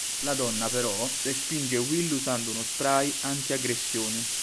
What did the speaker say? La donna però, respinge Will usando uno spray anti-aggressioni.